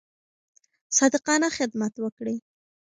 صادقانه خدمت وکړئ.